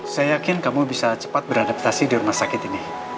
saya yakin kamu bisa cepat beradaptasi di rumah sakit ini